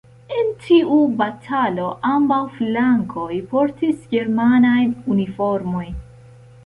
En tiu batalo, ambaŭ flankoj portis germanajn uniformojn.